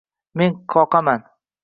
Men qoqaman.